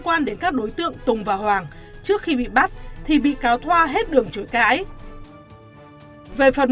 quan đến các đối tượng tùng và hoàng trước khi bị bắt thì bị cáo thoa hết đường chối cãi về phần